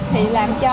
thì làm cho